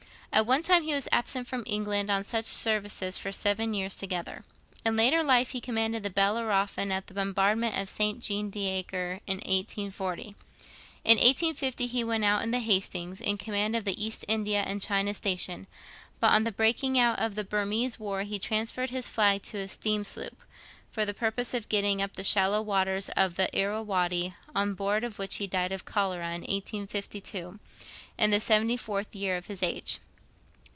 At one time he was absent from England on such services for seven years together. In later life he commanded the Bellerophon, at the bombardment of St. Jean d'Acre in 1840. In 1850 he went out in the Hastings, in command of the East India and China station, but on the breaking out of the Burmese war he transferred his flag to a steam sloop, for the purpose of getting up the shallow waters of the Irrawaddy, on board of which he died of cholera in 1852, in the seventy fourth year of his age.